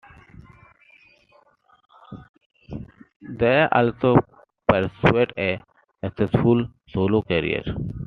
Daye also pursued a successful solo career.